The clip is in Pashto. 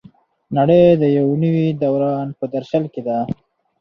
نړۍ د یو نوي دوران په درشل کې ده.